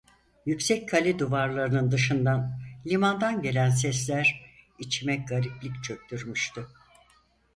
Yüksek kale duvarlarının dışından, limandan gelen sesler içime gariplik çöktürmüştü.